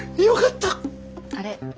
あれ？